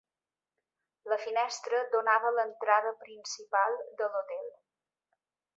La finestra donava a l'entrada principal de l'hotel.